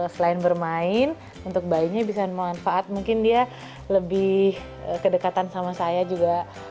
selain bermain untuk bayinya bisa manfaat mungkin dia lebih kedekatan sama saya juga